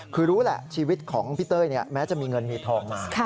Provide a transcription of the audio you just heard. คือรู้แหละชีวิตของพี่เต้ยแม้จะมีเงินมีทองมา